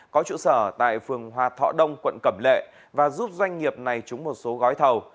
có trụ sở tại phường hòa thọ đông quận cẩm lệ và giúp doanh nghiệp này trúng một số gói thầu